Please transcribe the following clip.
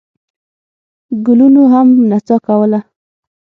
ګلونو هم نڅا کوله.